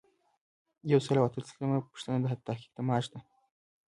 یو سل او اتلسمه پوښتنه د تحقیق د معاش ده.